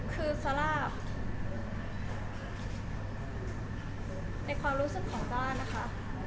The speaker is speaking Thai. คือซาร่าในความรู้สึกของต้านะคะ